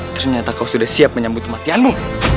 ternyata kau sudah siap menyambut kematianmu